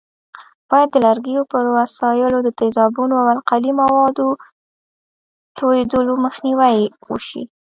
باید د لرګیو پر وسایلو د تیزابونو او القلي موادو توېدلو مخنیوی وشي.